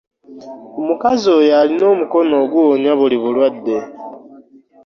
Omukazi oyo alina omukono oguwonya buli bulwadde.